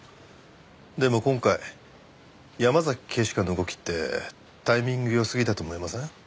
でも今回山崎警視監の動きってタイミング良すぎだと思いません？